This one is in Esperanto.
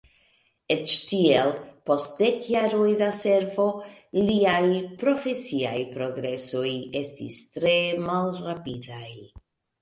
Eĉ tiel, post dek jaroj da servo, liaj profesiaj progresoj estis tre malrapidaj.